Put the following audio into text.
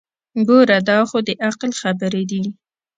ګوره دا خو دعقل خبرې دي.